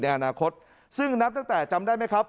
อนาคตซึ่งนับตั้งแต่จำได้ไหมครับ